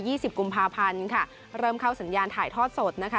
สิบกุมภาพันธ์ค่ะเริ่มเข้าสัญญาณถ่ายทอดสดนะคะ